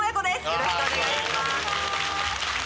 よろしくお願いします。